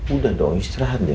udah dong istirahat deh